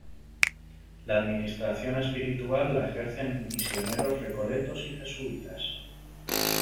La administración espiritual la ejercen misioneros Recoletos y Jesuítas.